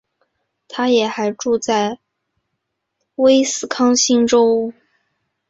她也还住在威斯康星州。